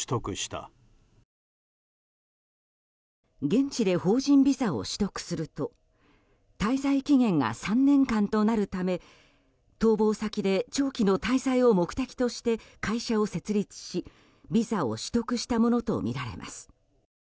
現地で法人ビザを取得すると滞在期限が３年間となるため逃亡先で長期の滞在を目的として会社を設立し、ビザを取得したものとみられます。